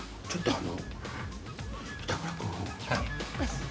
あの。